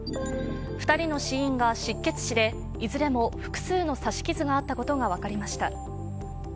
２人の死因が失血しでいずれも複数の刺し傷があったことが分かりました。